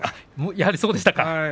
やはりそうでしたか。